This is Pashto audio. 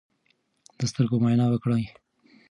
د سترګو معاینه وکړئ.